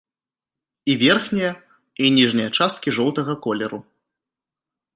І верхняя, і ніжняя часткі жоўтага колеру.